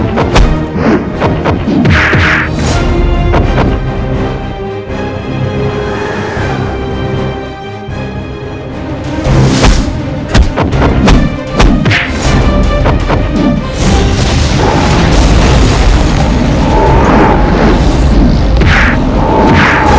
penaga puspa tingkat terakhir